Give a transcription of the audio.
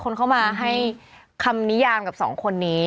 คนเข้ามาให้คำนิยามกับสองคนนี้